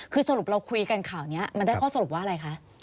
คือสรุปเราคุยกันข่าวนี้มันได้ข้อสรุปว่าอะไรคะ